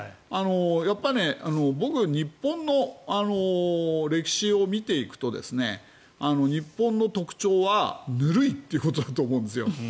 僕日本の歴史を見ていくと日本の特徴はぬるいということだと思うんですよ。